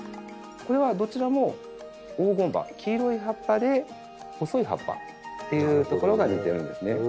これはどちらも黄金葉黄色い葉っぱで細い葉っぱっていうところが似てるんですね。